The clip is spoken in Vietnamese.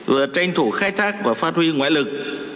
vừa tranh thủ khai thác và phát huy ngoại lực